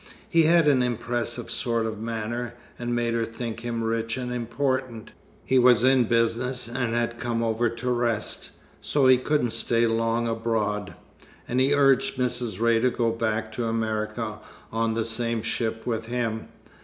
He had an impressive sort of manner, and made her think him rich and important. He was in business, and had come over to rest, so he couldn't stay long abroad; and he urged Mrs. Ray to go back to America on the same ship with him.